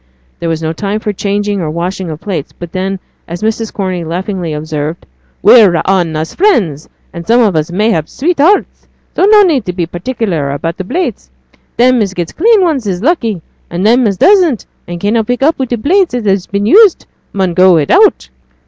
There was no time for changing or washing of plates; but then, as Mrs. Corney laughingly observed, 'We're a' on us friends, and some on us mayhap sweethearts; so no need to be particular about plates. Them as gets clean ones is lucky; and them as doesn't, and cannot put up wi' plates that has been used, mun go without.'